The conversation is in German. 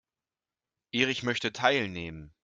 Erich möchte teilnehmen.